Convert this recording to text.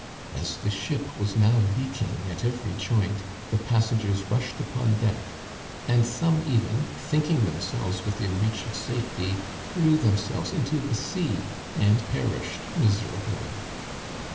As the ship was now leaking at every joint, the passengers rushed upon deck ; and some even, thinking themselves within reach of safety, threw themselves into the sea and perished miserably.